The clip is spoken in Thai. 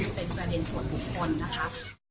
เป็นประเด็นส่วนบุคคลนะคะ